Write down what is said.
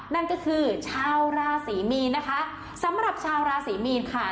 นั่นก็คือชาวราศรีมีนนะคะสำหรับชาวราศีมีนค่ะ